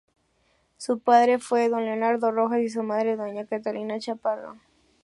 Su padre fue Don Leonardo Rojas y su madre Doña Catalina Chaparro.